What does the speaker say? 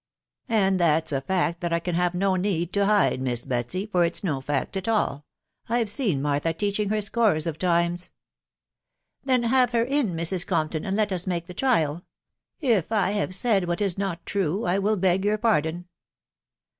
"And that's a fact thatd cm faatfene need to. hide, Miss Betsy; for it's no factual! — I've* seen Martha, teaching her scores of tiniest" " Then hare her in, Mrs. Comptnay and let us make the trial. If I have said what is not true.. I will beg your psjsdon.